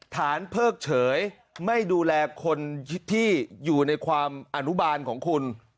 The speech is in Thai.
เพิกเฉยไม่ดูแลคนที่อยู่ในความอนุบาลของคุณ